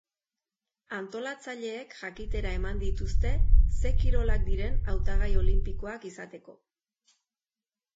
Antolatzaileek jakitera eman dituzte ze kirolak diren hautagai olinpikoak izateko.